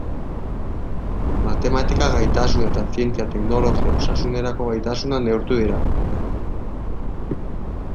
Matematika gaitasuna eta zientzia, teknologia, osasunerako gaitasuna neurtu dira.